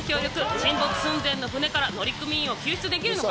沈没寸前のタンカー船から乗組員を救出できるのか。